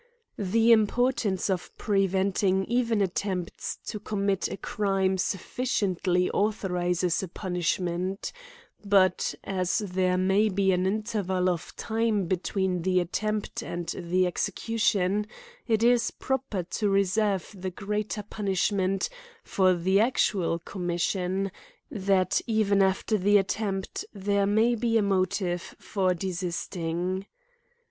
The importance of preventing even at tempts to commit a crime sufficiently authorises a punishment ; but, as there may be an interval of time between the attempt and the execution, it is proper to reserve the greater punishment for the actual commission, that even after the attempt there may be a motive for desisting.